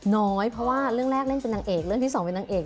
น้อยเพราะว่าเรื่องแรกเล่นเป็นนางเอกเรื่องที่สองเป็นนางเอก